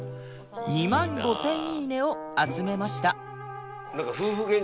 ２万５０００「いいね」を集めました